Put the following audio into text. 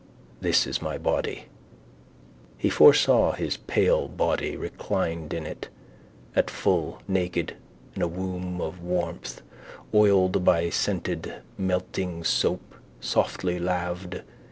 This is my body. He foresaw his pale body reclined in it at full, naked, in a womb of warmth, oiled by scented melting soap, softly laved.